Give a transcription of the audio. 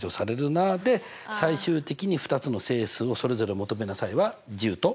なで最終的に２つの整数をそれぞれ求めなさいは１０と？